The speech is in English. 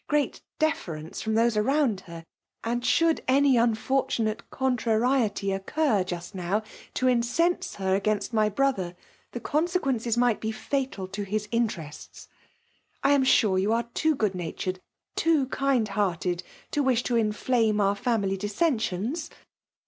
gfeat deftvence firom those aroond her; mul should any unfortunate contrariety occur just now to incense her against my brother, tiie consequences might be fatal to his interests. I am sure you are too good natured, too kind* hearted, to wish to inflame our family dissea aicms.